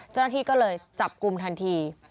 เจ้าหน้าที่ก็เลยจับกลุ่มทันที